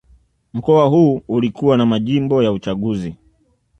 Mkoa huu ulikuwa na majimbo ya uchaguzi